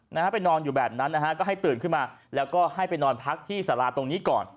นะฮะไปนอนอยู่แบบนั้นนะฮะก็ให้ตื่นขึ้นมาแล้วก็ให้ไปนอนพักที่สาราตรงนี้ก่อน